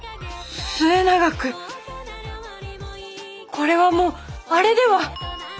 これはもうあれでは。